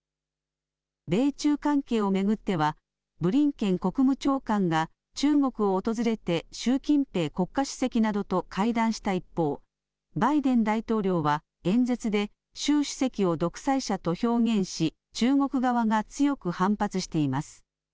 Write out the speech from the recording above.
米中関係を巡っては、ブリンケン国務長官が中国を訪れて、習近平国家主席などと会談した一方、バイデン大統領は演説で、習主席を独裁者と表現し、中国側が強く反発しています。